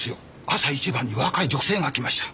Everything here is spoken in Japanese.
朝一番に若い女性が来ました。